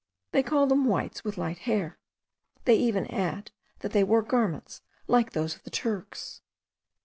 they call them 'Whites with light hair;' they even add, that they wore garments like those of the Turks.